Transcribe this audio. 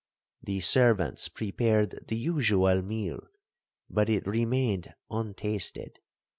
The servants prepared the usual meal, but it remained untasted.